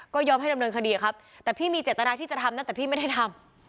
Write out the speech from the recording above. ก็ยอมให้ดำเนินคดีครับแต่พี่มีเจตนาที่จะทำนะแต่พี่ไม่ได้ทำ